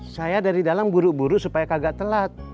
saya dari dalam buru buru supaya kagak telat